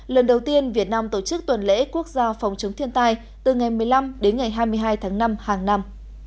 lần đầu tiên việt nam tổ chức tuần lễ quốc gia phòng chống thiên tai từ ngày một mươi năm đến ngày hai mươi hai tháng năm hàng năm